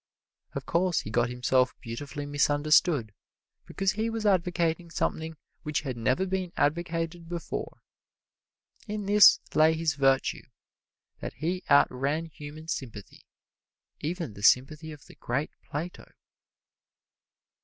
Of course he got himself beautifully misunderstood, because he was advocating something which had never been advocated before. In this lay his virtue, that he outran human sympathy, even the sympathy of the great Plato.